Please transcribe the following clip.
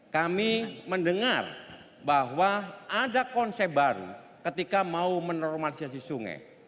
kami mendengar bahwa ada konsep baru ketika mau menormalisasi sungai